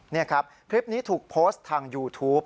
นี่ครับคลิปนี้ถูกโพสต์ทางยูทูป